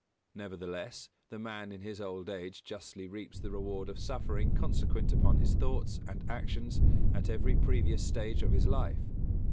Nevertheless, the man in his old age justly reaps the reward of suffering consequent upon his thoughts and actions at every previous stage of his life.